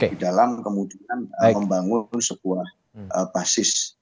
di dalam kemudian membangun sebuah basis